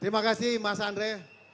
terima kasih mas andre